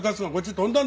飛んだの？